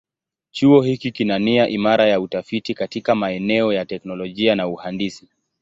Chuo hiki kina nia imara ya utafiti katika maeneo ya teknolojia na uhandisi.